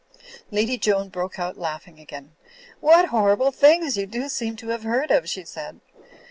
Lady Joan broke out laughing again. "What hor rible things you do seem to have heard of," she said.